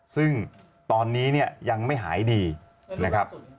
ซึ่งตอนนี้เนี่ยยังไม่หายดีนะครับ